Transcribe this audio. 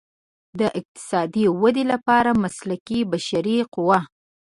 د اقتصادي ودې لپاره مسلکي بشري قوه.